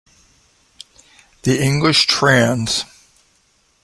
The English trans.